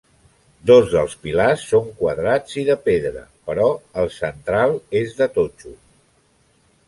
Dos dels pilars són quadrats i de pedra però el central és de totxo.